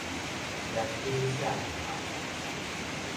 炎天赤日頭